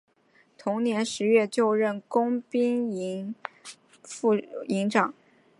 同年十月就任工兵营副营长。